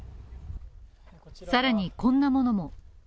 さらにこんなものも。